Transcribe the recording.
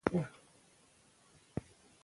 کوښښ او زیار مو د سیالانو سیال ګرځوي.